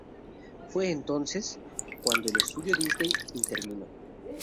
Fue entonces, cuando el estudio Disney intervino.